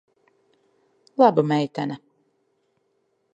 Laba meitene.